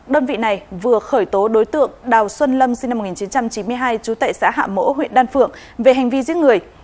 đào xuân lâm sinh năm một nghìn chín trăm chín mươi hai trú tại xã hạ mỗ huyện đan phượng về hành vi giết người